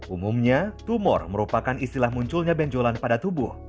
umumnya tumor merupakan istilah munculnya benjolan pada tubuh